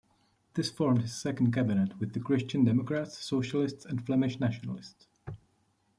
This formed his second cabinet with the Christian-democrats, socialists and Flemish nationalists.